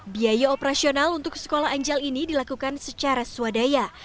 biaya operasional untuk sekolah angel ini dilakukan secara swadaya